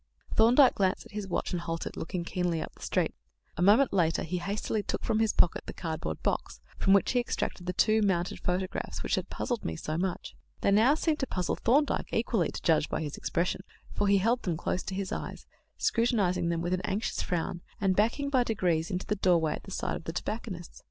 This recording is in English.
Thorndyke glanced at his watch and halted, looking keenly up the street. A moment later he hastily took from his pocket the cardboard box, from which he extracted the two mounted photographs which had puzzled me so much. They now seemed to puzzle Thorndyke equally, to judge by his expression, for he held them close to his eyes, scrutinizing them with an anxious frown, and backing by degrees into the doorway at the side of the tobacconist's.